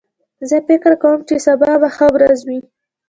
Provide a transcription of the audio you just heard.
زه فکر کوم چې سبا به ښه ورځ وي